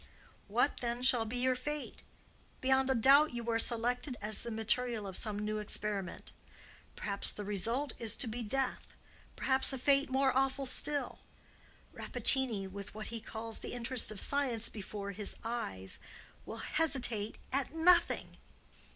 What, then, will be your fate? Beyond a doubt you are selected as the material of some new experiment. Perhaps the result is to be death; perhaps a fate more awful still. Rappaccini, with what he calls the interest of science before his eyes, will hesitate at nothing."